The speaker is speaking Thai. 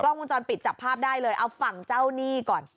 กล้องกลุ่มจอลปิดจับภาพได้เลยเอาฝั่งเจ้านี่ก่อน